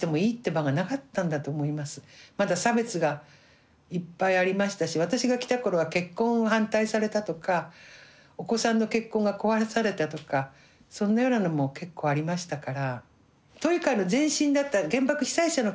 まだ差別がいっぱいありましたし私が来た頃は結婚を反対されたとかお子さんの結婚が壊されたとかそんなようなのも結構ありましたから。